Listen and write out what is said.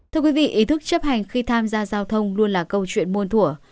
thưa quý vị ý thức chấp hành khi tham gia giao thông luôn là câu chuyện muôn thủa